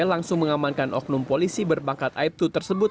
langsung mengamankan oknum polisi berbangkat aibtu tersebut